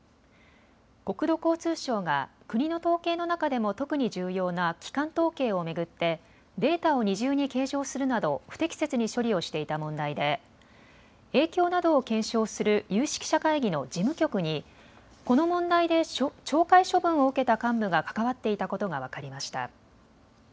国土交通省が国の統計の中でも特に重要な基幹統計を巡ってデータを二重に計上するなど不適切に処理をしていた問題で影響などを検証する有識者会議の事務局にこの問題で懲戒処分を受けた幹部が関わっていたことが分かりました。